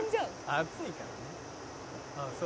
「暑いからね」